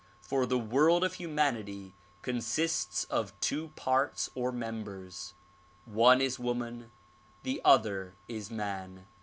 For the world of humanity consists of two parts or members ; one is woman, the other is man.